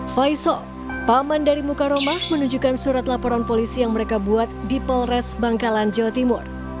faisal paman dari mukaroma menunjukkan surat laporan polisi yang mereka buat di polres bangkalan jawa timur